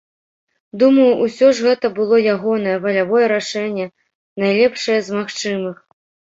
Думаю, усё ж гэта было ягонае валявое рашэнне, найлепшае з магчымых.